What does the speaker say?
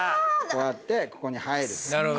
こうやってここに。